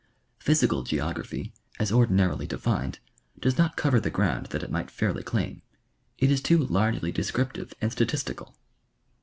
Physical geography, as ordinarily de fined, does not cover the ground that it might fairly claim. It is too largely descriptive and statistical.